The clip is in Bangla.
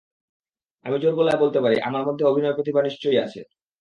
আমি জোর গলায় বলতে পারি, আমার মধ্যে অভিনয় প্রতিভা নিশ্চয়ই আছে।